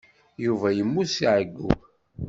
Yuba yemmut seg ɛeyyu.